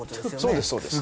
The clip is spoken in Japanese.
そうですそうです。